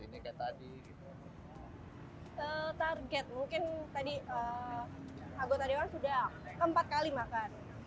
target mungkin tadi agota dewan sudah keempat kali makan